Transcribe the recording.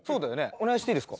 お願いしていいですか？